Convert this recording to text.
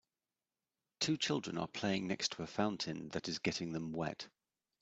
Two children are playing next to a fountain that is getting them wet.